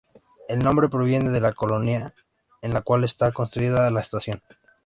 El nombre proviene de la colonia en la cual está construida la estación.